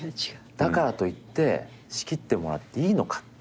だからといって仕切ってもらっていいのかっていう。